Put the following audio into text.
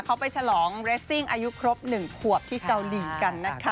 เขาไปฉลองเรสซิ่งอายุครบ๑ขวบที่เกาหลีกันนะคะ